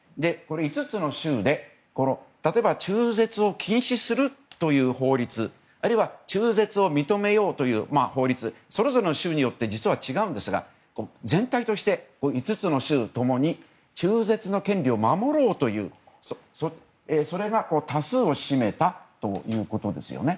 ５つの州で例えば中絶を禁止するという法律あるいは中絶を認めようという法律それぞれの州によって実は違うんですが全体として、５つの州ともに中絶の権利を守ろうというそれが多数を占めたということですよね。